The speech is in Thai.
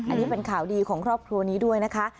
อันนี้เป็นข่าวดีของครอบครัวนี้ด้วยนะคะ